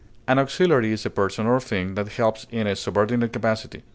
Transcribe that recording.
An auxiliary is a person or thing that helps in a subordinate capacity.